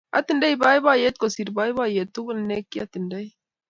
Atindoi boiboiyet kosir boiboyet tugul nikiyatindoi